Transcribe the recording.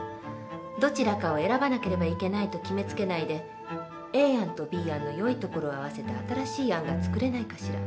どちらかを選ばなければいけないと決めつけないでＡ案とＢ案の良いところを合わせた新しい案が作れないかしら。